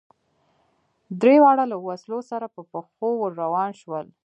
درېواړه له وسلو سره په پښو ور روان شول.